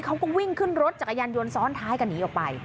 เขาก็วิ่งขึ้นรถจักรยานยนต์ซ้อนท้ายกันหนีออกไป